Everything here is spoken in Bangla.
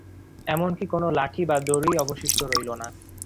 এমনকি কোন লাঠি বা দড়িই অবশিষ্ট রইল না।